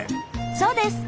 そうです。